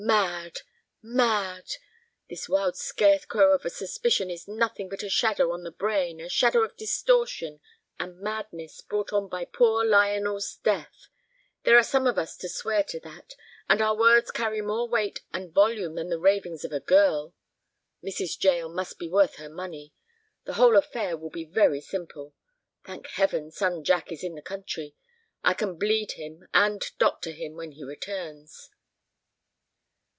Mad—mad! This wild scarecrow of a suspicion is nothing but a shadow on the brain, a shadow of distortion and madness brought on by poor Lionel's death. There are some of us to swear to that, and our words carry more weight and volume than the ravings of a girl. Mrs. Jael must be worth her money. The whole affair will be very simple. Thank Heaven, son Jack is in the country! I can bleed him and doctor him when he returns."